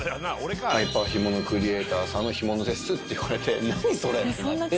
「ハイパー干物クリエイターさんの干物です」って言われて「何それ」ってなって。